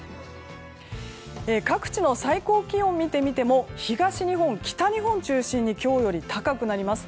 各地の最高気温を見てみても東日本、北日本を中心に今日より高くなります。